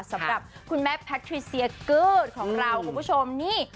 สำหรับคุณแม่แพทริเซียกื๊ดของเราคุณผู้ชมนี่